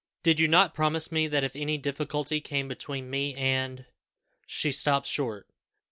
Did you not promise me that if any difficulty came between me and " She stopped short.